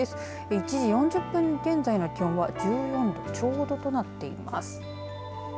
１時４０分現在の気温は１４度ちょうどとなっています。